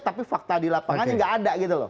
tapi fakta di lapangannya nggak ada gitu loh